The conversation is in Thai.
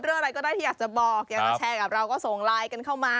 อะไรก็ได้ที่อยากจะบอกอยากจะแชร์กับเราก็ส่งไลน์กันเข้ามา